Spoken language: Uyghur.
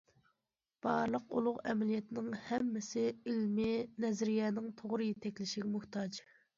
بارلىق ئۇلۇغ ئەمەلىيەتنىڭ ھەممىسى ئىلمىي نەزەرىيەنىڭ توغرا يېتەكلىشىگە موھتاج.